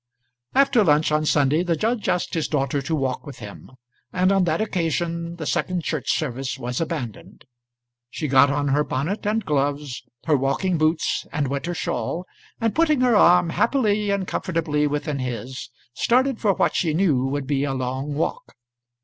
After lunch on Sunday the judge asked his daughter to walk with him, and on that occasion the second church service was abandoned. She got on her bonnet and gloves, her walking boots and winter shawl, and putting her arm happily and comfortably within his, started for what she knew would be a long walk.